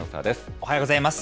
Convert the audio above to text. おはようございます。